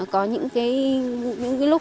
có những cái lúc